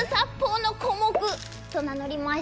と名乗ります。